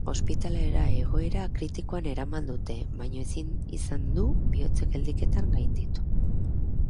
Ospitalera egoera kritikoan eraman dute, baina ezin izan du bihotz-geldiketa gainditu.